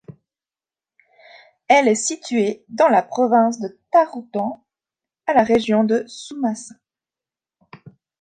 Elle est située dans la province de Taroudannt à la région de Souss-Massa.